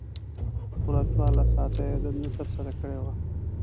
پوره څوارلس ساعته یې دنده ترسره کړې وه.